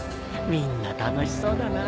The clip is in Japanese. みんな楽しそうだな。